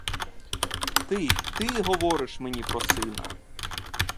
Ти, ти говориш мені про сина!